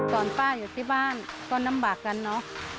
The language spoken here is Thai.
ตอนป้าอยู่ที่บ้านก็ลำบากกันเนอะ